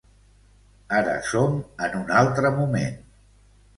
Ara som en un altre moment.